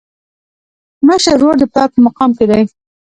مشر ورور د پلار په مقام کي دی.